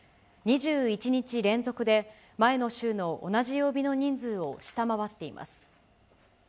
２１日連続で前の週の同じ曜日の人数を下回っています。